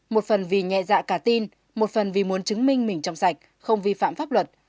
một phần vì nhẹ dạ cả tin một phần vì muốn chứng minh mình trong sạch không vi phạm pháp luật